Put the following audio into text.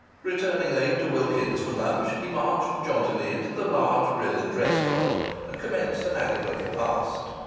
Returning late to Wilkins's for lunch he marched jauntily into the large brilliant restaurant and commenced an adequate repast.